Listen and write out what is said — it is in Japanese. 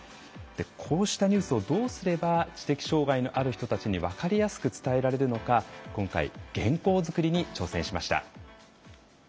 こうしたニュースをどうすれば知的障害のある人たちに分かりやすく伝えられるのか今回原稿作りに挑戦しました。